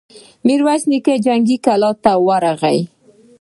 ميرويس نيکه جنګي کلا ته ورغی.